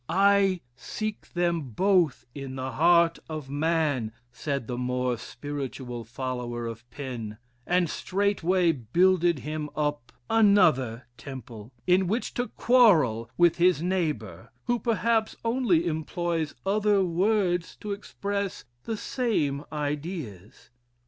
I seek them both in the heart of man, said the more spiritual follower of Penn, and straightway builded him up another temple, in which to quarrel with his neighbor, who perhaps only employs other words to express the same ideas.